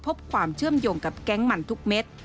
พบความเชื่อมโยงกับแก๊งมันทุกเม็ด